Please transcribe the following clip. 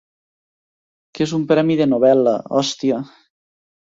Que és un premi de novel·la, hòstia!